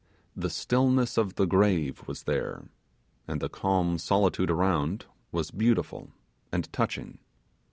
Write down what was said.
The stillness of the grave was there, and the calm solitude around was beautiful and touching.